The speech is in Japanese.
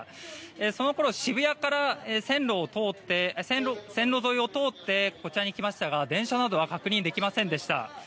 その頃、渋谷から線路沿いを通ってこちらに来ましたが電車などは確認できませんでした。